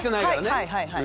はいはいはいはい。